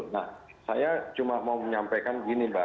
nah saya cuma mau menyampaikan gini mbak